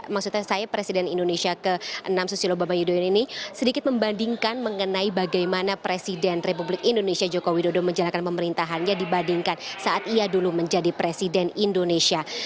maksudnya saya presiden indonesia ke enam susilo bambang yudhoyono ini sedikit membandingkan mengenai bagaimana presiden republik indonesia joko widodo menjalankan pemerintahannya dibandingkan saat ia dulu menjadi presiden indonesia